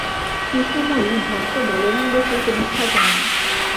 কৃষ্ণময়ী ভক্ত বলরাম বসুর কনিষ্ঠা কন্যা।